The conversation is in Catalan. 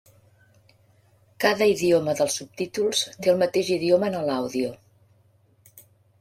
Cada idioma dels subtítols té el mateix idioma en l'àudio.